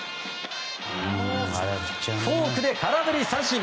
フォークで空振り三振。